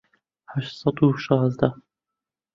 هەشت سەد و شازدە